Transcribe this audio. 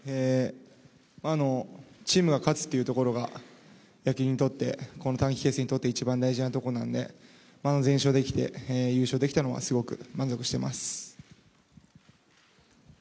チームが勝つというところが野球にとって、この短期決戦にとって一番大事なことなんで、全勝できて、優勝できたのがすごく満足しています。